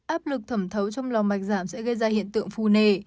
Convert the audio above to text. áp lực thẩm thấu trong lò mạch giảm sẽ gây ra hiện tượng phù nề